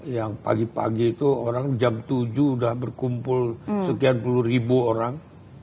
yang pagi pagi itu orang jam tujuh sudah berkumpul sekian puluh ribu orang